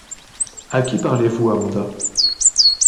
À qui parlez-vous, Amanda?